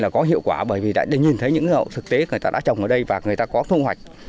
là có hiệu quả bởi vì nhìn thấy những hậu thực tế người ta đã trồng ở đây và người ta có thu hoạch